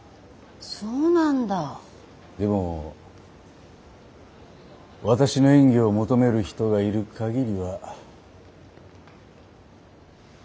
でも私の演技を求める人がいる限りは。